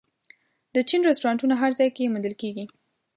د چین رستورانتونه هر ځای کې موندل کېږي.